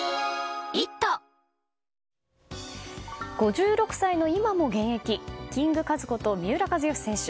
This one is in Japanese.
５６歳の今も現役キングカズこと三浦知良選手。